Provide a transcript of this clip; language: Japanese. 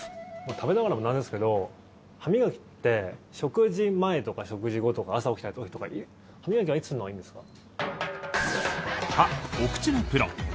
食べながらもなんですけど歯磨きって食事前とか食事後とか朝起きた時とか歯磨きはいつするのがいいんですか？